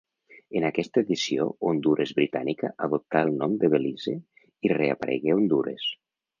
En aquesta edició Hondures Britànica adoptà el nom de Belize i reaparegué Hondures.